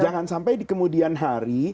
jangan sampai di kemudian hari